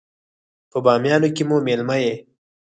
په بامیانو کې مو مېلمه يې.